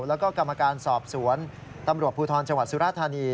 แล้วก็กรรมการสอบสวนตำรวจภูทรจังหวัดสุราธานี